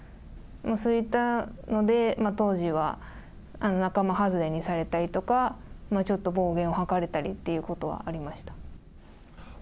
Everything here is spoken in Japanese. そういったので、当時は仲間外れにされたりとか、ちょっと暴言を吐かれたりっていうことはありました。